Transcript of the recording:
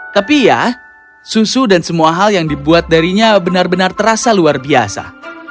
tapi ya susu dan semua hal yang dibuat darinya benar benar terasa luar biasa